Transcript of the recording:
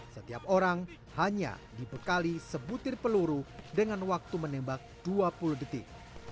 setiap orang hanya dibekali sebutir peluru dengan waktu menembak dua puluh detik